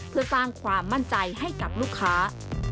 เพื่อสร้างความมั่นใจให้กับลูกค้า